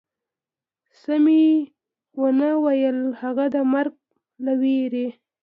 څه مې و نه ویل، هغه د مرګ له وېرې.